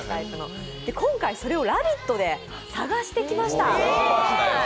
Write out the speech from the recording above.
今回それを「ラヴィット！」で探してきました。